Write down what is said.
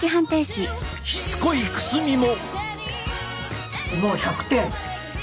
しつこいくすみも。